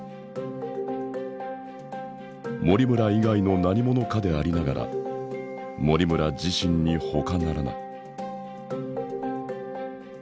森村以外の何者かでありながら森村自身にほかならない。